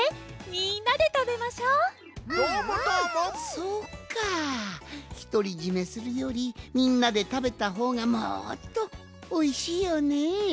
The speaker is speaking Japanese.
そっかひとりじめするよりみんなでたべたほうがもっとおいしいよねえ。